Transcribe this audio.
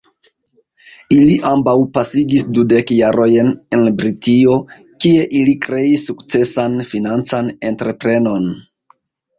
Ili ambaŭ pasigis dudek jarojn en Britio, kie ili kreis sukcesan financan entreprenon.